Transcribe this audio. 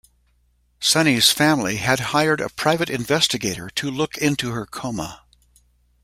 Sunny's family had hired a private investigator to look into her coma.